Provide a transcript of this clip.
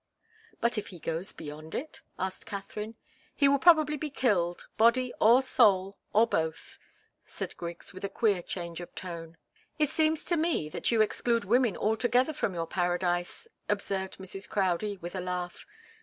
"But if he goes beyond it?" asked Katharine. "He will probably be killed body or soul, or both," said Griggs, with a queer change of tone. "It seems to me, that you exclude women altogether from your paradise," observed Mrs. Crowdie, with a laugh.